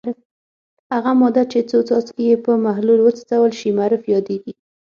هغه ماده چې څو څاڅکي یې په محلول وڅڅول شي معرف یادیږي.